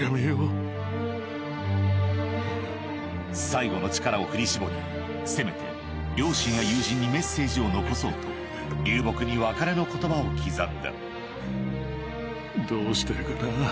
最後の力を振り絞りせめて両親や友人にメッセージを残そうと流木に別れの言葉を刻んだどうしてるかな？